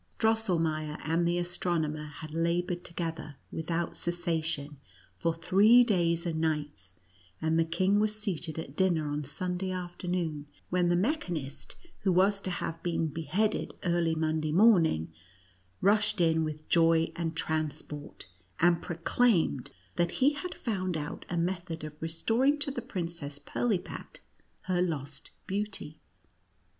Drosselmeier and the astronomer had labored together, without cessation, for three days and nights, and the king was seated at dinner on Sunday afternoon, when the mechanist, who was to have been beheaded early Monday morning, rushed in with joy and transport, and proclaimed that he had found out a method of restoring to the Princess Pirlipat her lost beauty.